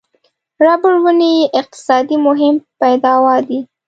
ربړ ونې یې اقتصادي مهم پیداوا دي.